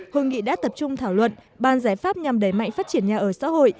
hội nghị đã tập trung thảo luận bàn giải pháp nhằm đẩy mạnh phát triển nhà ở xã hội